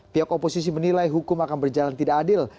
pihak oposisi menilai hukum akan berjalan tidak adil